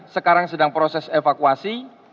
sekarang sedang proses evakuasi